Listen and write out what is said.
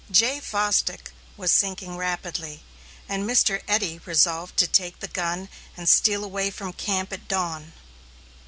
Jay Fosdick was sinking rapidly, and Mr. Eddy resolved to take the gun and steal away from camp at dawn.